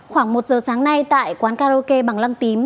khoảng một giờ sáng nay tại quán karaoke bằng lăng tím